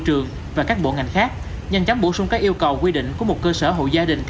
trường và các bộ ngành khác nhanh chóng bổ sung các yêu cầu quy định của một cơ sở hộ gia đình cá